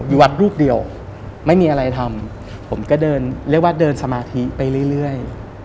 อยู่วัดรูปเดียวไม่มีอะไรทำผมก็เดินเรียกว่าเดินสมาธิไปเรื่อย